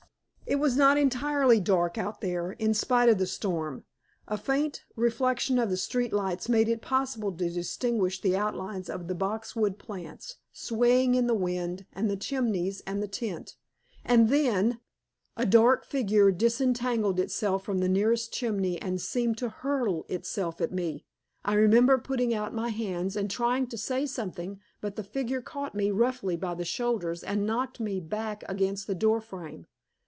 It was not entirely dark out there, in spite of the storm. A faint reflection of the street lights made it possible to distinguish the outlines of the boxwood plants, swaying in the wind, and the chimneys and the tent. And then a dark figure disentangled itself from the nearest chimney and seemed to hurl itself at me. I remember putting out my hands and trying to say something, but the figure caught me roughly by the shoulders and knocked me back against the door frame.